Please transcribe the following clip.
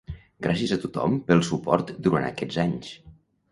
Gràcies a tothom pel suport durant aquests anys.